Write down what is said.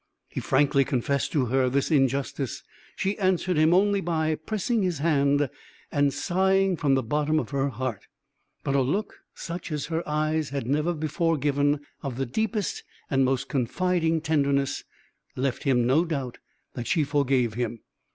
He frankly confessed to her this injustice; she answered him only by pressing his hand, and sighing from the bottom of her heart. But a look, such as her eyes had never before given, of the deepest and most confiding tenderness, left him no doubt that she forgave him.